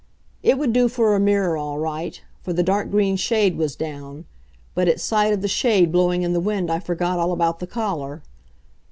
It would do for a mirror all right, for the dark green shade was down. But at sight of the shade blowing in the wind I forgot all about the collar.